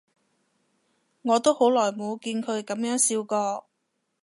我都好耐冇見佢噉樣笑過